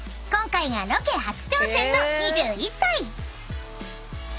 ［今回がロケ初挑戦の２１歳］